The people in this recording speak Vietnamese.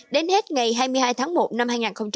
đến hết ngày hai mươi hai tháng một năm hai nghìn hai mươi